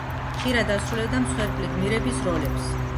ხშირად ასრულებდა მსხვერპლი გმირების როლებს.